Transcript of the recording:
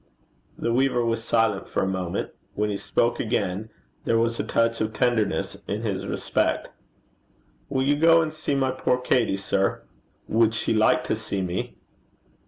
The weaver was silent for a moment. When he spoke again, there was a touch of tenderness in his respect. 'Will you go and see my poor Katey, sir?' 'Would she like to see me?'